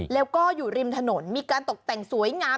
แล้วก็อยู่ริมถนนมีการตกแต่งสวยงาม